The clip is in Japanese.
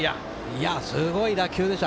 いや、すごい打球でした。